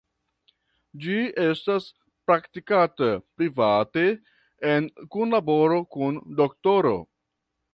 Ĝi estas praktikata private en kunlaboro kun doktoro.